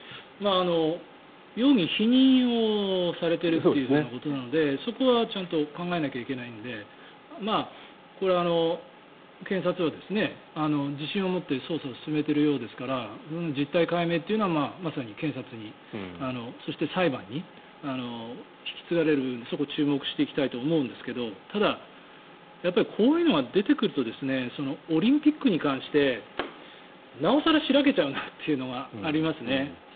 容疑は否認されているということなのでそこはちゃんと考えなきゃいけないのでこれは検察は自信を持って捜査を進めているようですから実態解明というのはまさに検察に、そして裁判に引き継がれるところ注目していきたいと思うんですがただ、やっぱりこういうのが出てくるとオリンピックに関してなお更、白けちゃうなというのがありますね。